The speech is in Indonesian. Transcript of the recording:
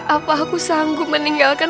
apa aku sanggup meninggalkan